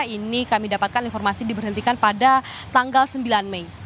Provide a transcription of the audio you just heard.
ini kami dapatkan informasi diberhentikan pada tanggal sembilan mei